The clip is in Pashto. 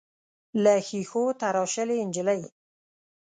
له ښیښو تراشلې نجلۍ.